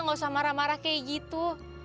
gak usah marah marah kayak gitu